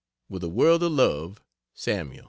With a world of love, SAML.